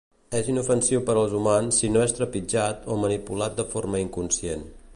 És inofensiu per als humans si no és trepitjat o manipulat de forma inconscient.